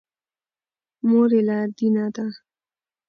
مور یې لادینه ده.